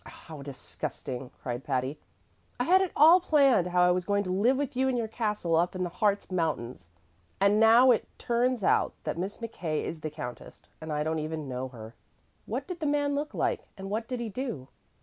"How disgusting!" cried Patty. "I had it all planned how I was going to live with you in your castle up in the Hartz Mountains, and now it turns out that Miss McKay is the countess, and I don't even know her. What did the man look like, and what did he do?"